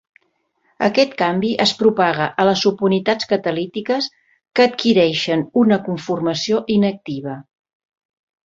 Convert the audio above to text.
Aquest canvi es propaga a les subunitats catalítiques que adquireixen una conformació inactiva.